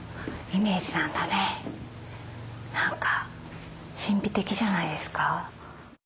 何か神秘的じゃないですか。